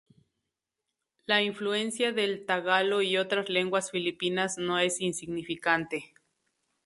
La influencia del tagalo y otras lenguas filipinas no es insignificante.